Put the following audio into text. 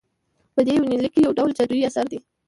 په دې يونليک کې يوډول جادويي اثر دى